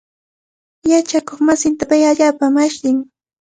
Yachakuqmasinta pay allaapami ashllin.